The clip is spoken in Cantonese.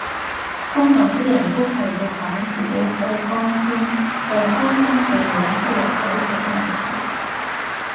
通常啲人都係會擺自己最光鮮最開心嘅樣出嚟俾其他人睇